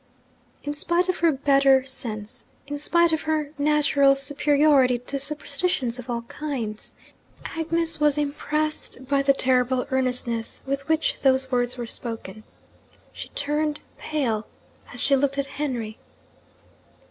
In spite of her better sense, in spite of her natural superiority to superstitions of all kinds, Agnes was impressed by the terrible earnestness with which those words were spoken. She turned pale as she looked at Henry.